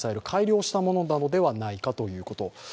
改良したものではないかということ。